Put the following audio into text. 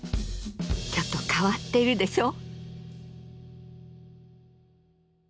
ちょっと変わっているでしょう？